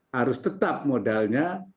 harus tetap modalnya